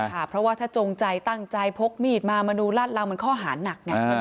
ค่ะเพราะว่าถ้าจงใจตั้งใจพกมีดมามาดูลาดเรามันข้อหานักไง